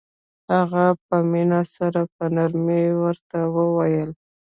هغه په مينه سره په نرمۍ ورته وويل.